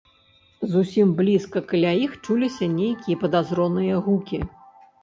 Зусім блізка каля іх чуліся нейкія падазроныя гукі.